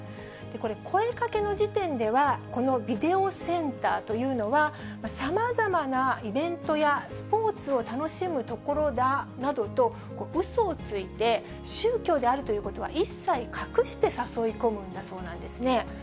これ、声かけの時点では、このビデオセンターというのは、さまざまなイベントやスポーツを楽しむ所だなどと、うそをついて、宗教であるということは一切隠して誘い込むそうなんですね。